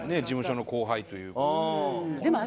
事務所の後輩という事で。